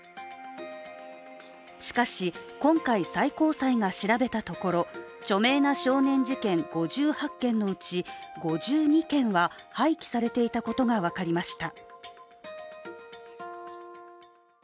しかし、今回、最高裁が調べたところ、著名な少年事件５８件のうち５２件は廃棄されていたことが分かりました。